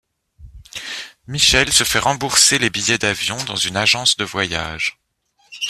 Michel se fait rembourser les billets d'avion dans une agence de voyages.